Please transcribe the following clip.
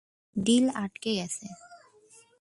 Drill আটকে গেছে।